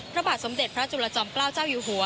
พระบาทสมเด็จพระจุลจอมเกล้าเจ้าอยู่หัว